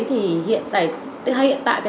thì hiện tại